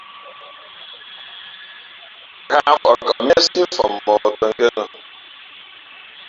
Ghǎʼmfαʼ kαʼ méhsí mfαʼ mᾱᾱ tᾱ ngénᾱ.